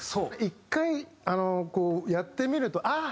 １回やってみるとああ！